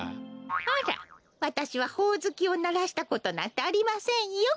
あらわたしはほおずきをならしたことなんてありませんよ。